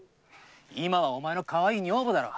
今はお前のかわいい女房だろ。